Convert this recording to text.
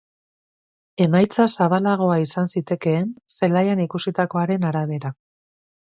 Emaitza zabalagoa izan zitekeen zelaian ikusitakoaren arabera.